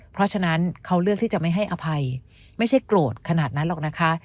เพราะฉะนั้นเขาเลือกที่จะไม่ให้อภัยไม่ใช่โกรธขนาดนั้นหรอกนะคะ